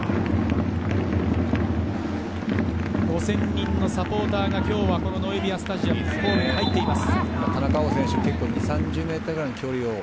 ５０００人のサポーターが今日はノエビアスタジアム神戸に入っています。